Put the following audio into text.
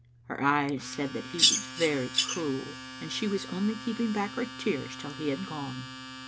Her eyes said that he was very cruel, and she was only keeping back her tears till he had gone.